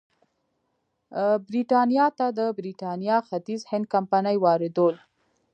برېټانیا ته د برېټانیا ختیځ هند کمپنۍ واردول.